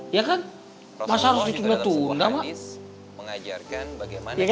iya kan masa harus ditunggu tunggu mak